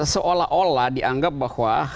seolah olah dianggap bahwa